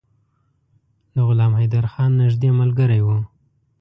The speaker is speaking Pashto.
د غلام حیدرخان نیژدې ملګری وو.